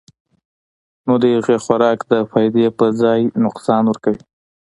نو د هغې خوراک د فائدې پۀ ځائے نقصان ورکوي -